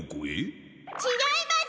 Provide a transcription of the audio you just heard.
ちがいます！